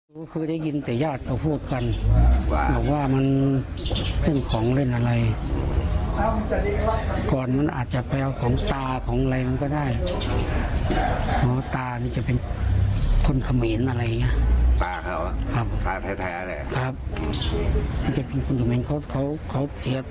แต่สงสัยเขาเก็บหนังสืออะไรไว้อย่างเงี้ยมันอยู่หิ้งพระหรืออะไรอย่างเงี้ย